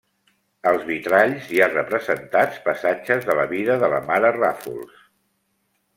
Als vitralls hi ha representats passatges de la vida de la mare Ràfols.